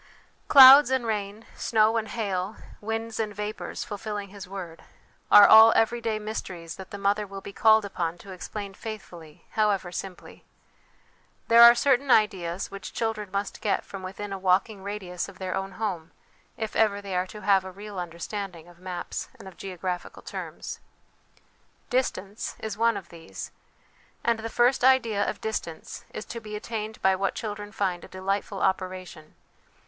"Clouds and rain, snow and hail, winds and vapours, fulfilling His word" are all everyday mysteries that the mother will be called upon to explain faithfully, however simply. There are certain ideas which children must get from within a walking radius of their own home if ever they are to have a real understanding of maps and of geographical terms. Distance is one of these, and the first idea of distance is to be attained by what children find a delightful operation.